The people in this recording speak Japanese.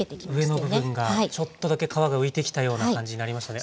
上の部分がちょっとだけ皮が浮いてきたような感じになりましたね。